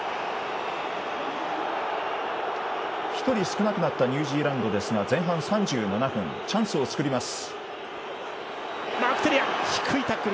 １人少なくなったニュージーランドですが前半３７分、チャンスを作ります。